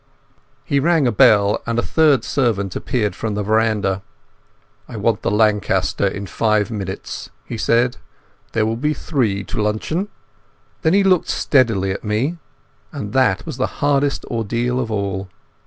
He rang a bell, and a third servant appeared from the veranda. "I want the Lanchester in five minutes," he said. "There will be three to luncheon." Then he looked steadily at me, and that was the hardest ordeal of all.